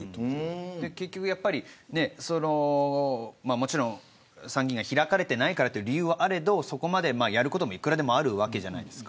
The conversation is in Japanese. やっぱり、参議院が開かれていないという理由はあれどそこまで、やることもいくらでもあるわけじゃないですか。